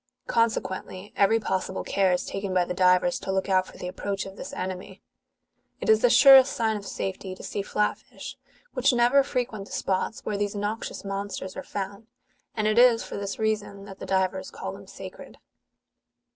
Consequently, every possible care is taked by the divers to look out ^ for the approach of this enemy. (47.) It is the surest sign of safety to see flat fish, which never frequent the spots where these noxious monsters are found : and it is for this reason that the divers^^ call them sacred.